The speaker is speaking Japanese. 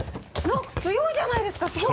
強いじゃないですかすごい。